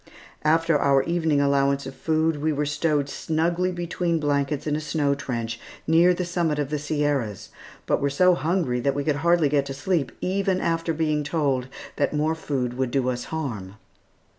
After our evening allowance of food we were stowed snugly between blankets in a snow trench near the summit of the Sierras, but were so hungry that we could hardly get to sleep, even after being told that more food would do us harm.